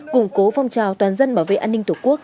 củng cố phong trào toàn dân bảo vệ an ninh tổ quốc